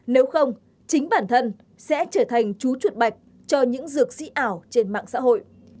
nếu không chính bản thân sẽ trở thành chú chuột bạch cho những dược sĩ ảo trên mạng xã hội